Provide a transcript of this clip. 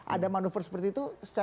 ada manuver seperti itu secara etik